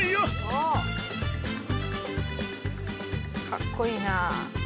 かっこいいな。